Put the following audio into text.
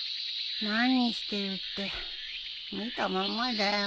何してるって見たまんまだよ。